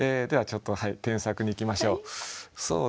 ではちょっと添削にいきましょう。